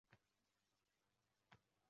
Toʻxtalib oʻtirishga hojat yoʻq